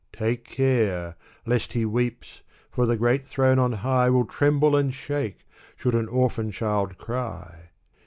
Take care ! lest he weeps, for the great throne on high Will tremble and shake, should an orphan child cry